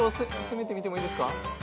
攻めてみてもいいですか？